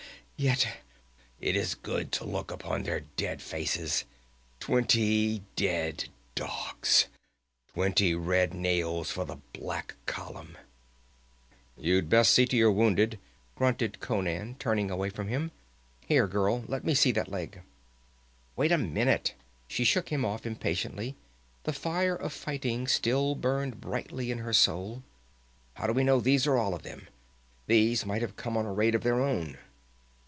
Yet it is good to look upon their dead faces. Twenty dead dogs! Twenty red nails for the black column!" "You'd best see to your wounded," grunted Conan, turning away from him. "Here, girl, let me see that leg." "Wait a minute!" she shook him off impatiently. The fire of fighting still burned brightly in her soul. "How do we know these are all of them? These might have come on a raid of their own."